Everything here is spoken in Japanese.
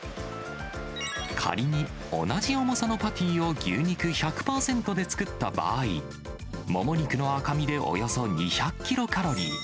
仮に同じ重さのパティを牛肉１００％で作った場合、もも肉の赤身でおよそ２００キロカロリー。